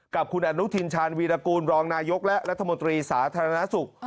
กับคุณอนุทินชาญวีรกูลรองนายกและรัฐมนตรีสาธารณสุข